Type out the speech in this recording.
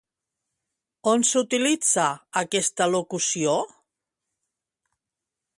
On s'utilitza aquesta locució?